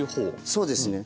そうですね。